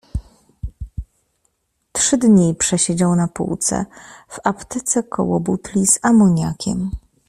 Trzy dni przesiedział na półce w aptece koło butli z amoniakiem.